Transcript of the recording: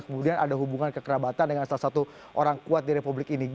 kemudian ada hubungan kekerabatan dengan salah satu orang kuat di republik ini